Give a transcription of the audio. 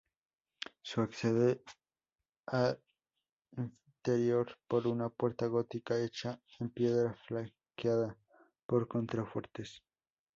Se accede al interior por una puerta gótica hecha en piedra flanqueada por contrafuertes.